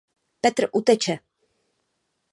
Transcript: Petr uteče.